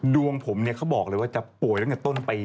ดวงผมเนี่ยเขาบอกเลยว่าจะป่วยตั้งแต่ต้นปี